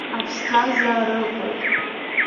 Аԥсҭазаара ыҟоуп.